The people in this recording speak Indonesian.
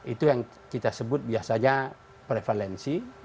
itu yang kita sebut biasanya prevalensi